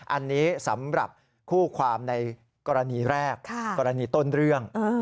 อันนี้สำหรับคู่ความในกรณีแรกกรณีต้นเรื่อง